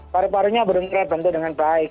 paru parunya belum terbentuk dengan baik